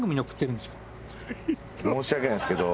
申し訳ないですけど。